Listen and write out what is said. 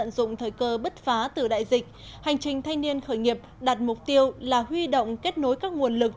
đại dịch hành trình thanh niên khởi nghiệp đặt mục tiêu là huy động kết nối các nguồn lực